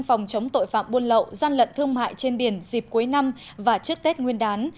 phòng chống tội phạm buôn lậu gian lận thương mại trên biển dịp cuối năm và trước tết nguyên đán